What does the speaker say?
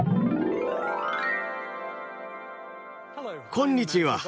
こんにちは。